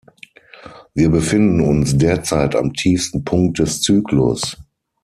Wir befinden uns derzeit am tiefsten Punkt des Zyklus.